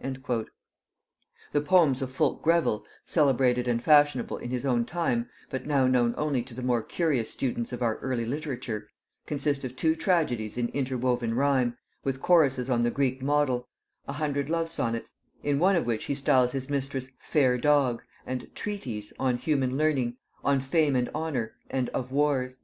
The poems of Fulke Greville, celebrated and fashionable in his own time, but now known only to the more curious students of our early literature, consist of two tragedies in interwoven rhyme, with choruses on the Greek model; a hundred love sonnets, in one of which he styles his mistress "Fair dog:" and "Treaties" "on Human learning," "on Fame and Honor," and "of Wars."